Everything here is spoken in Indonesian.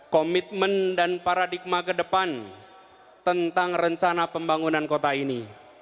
komitmen dan paradigma ke depan tentang rencana pembangunan kota ini